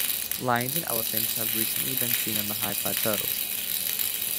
Lions and elephants have recently been seen on the high plateau.